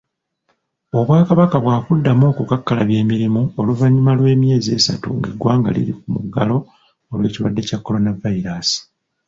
Obwakabaka bwakuddamu okukakkalabya emirimu oluvanyuma lw'emyezi esatu ng'eggwanga liri ku muggalo olw'ekirwadde kya coronavirus.